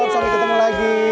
sampai ketemu lagi